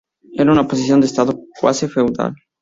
Eran una posición de estado cuasi Feudal.